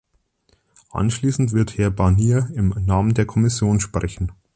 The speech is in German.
Anschließend wird Herr Barnier im Namen der Kommission sprechen.